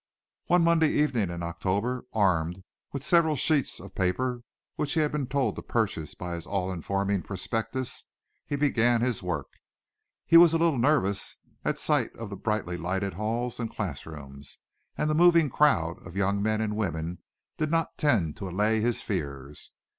One Monday evening in October, armed with the several sheets of paper which he had been told to purchase by his all informing prospectus, he began his work. He was a little nervous at sight of the brightly lighted halls and class rooms, and the moving crowd of young men and women did not tend to allay his fears.